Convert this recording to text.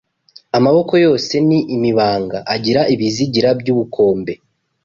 Amaboko yose ni imibanga Agira ibizigira by’ubukombe